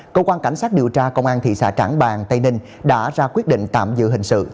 cơ quan cảnh sát điều tra công an thị xã trảng bàng tây ninh đã ra quyết định tạm giữ hình sự